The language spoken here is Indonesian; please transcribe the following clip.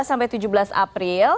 dua belas sampai tujuh belas april